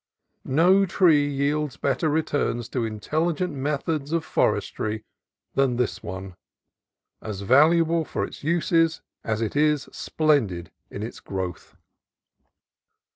No tree yields better returns to intelligent methods of for estry than this one, as valuable for its uses as it is splendid in its growth.